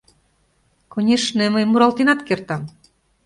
Конешне, мый муралтенат кертам...